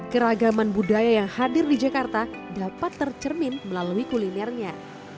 keragaman budaya yang hadir di jakarta dapat tercermin melalui kulinernya